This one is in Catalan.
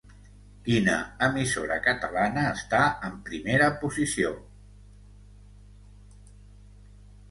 Quina emissora catalana està en primera posició?